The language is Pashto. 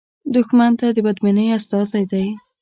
دښمن د بدبینۍ استازی دی